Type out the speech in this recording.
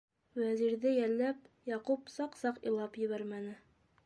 Вәзирҙе йәлләп, Яҡуп саҡ-саҡ илап ебәрмәне.